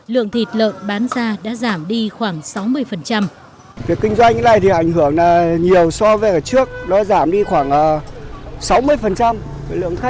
lượng thịt lợn ở chợ đông hà tỉnh quảng trị vẫn ở trong tình trạng tương tự